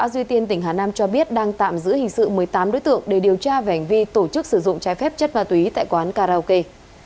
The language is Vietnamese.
duy tiên tỉnh hà nam cho biết đang tạm giữ hình sự một mươi tám đối tượng để điều tra về hành vi tổ chức sử dụng trái phép chất ma túy tại quán karaoke